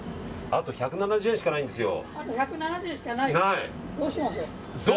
あと１７０円しかないんですよ。